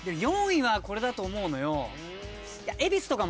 ４位はこれだと思うのよ。